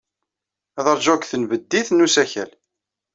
Ad ṛjuɣ deg tenbeddit n usakal.